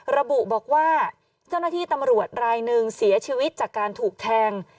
ระบุบอกว่าเจ้าหน้าที่ตำรวจรายหนึ่งเสียชีวิตจากการถูกแทง